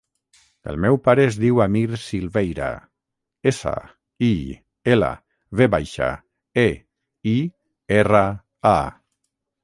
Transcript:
El meu pare es diu Amir Silveira: essa, i, ela, ve baixa, e, i, erra, a.